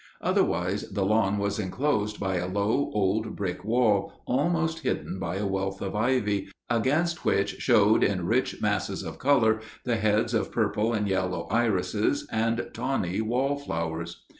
Otherwise the lawn was enclosed by a low old brick wall, almost hidden by a wealth of ivy, against which showed in rich masses of colour the heads of purple and yellow irises and tawny wallflowers.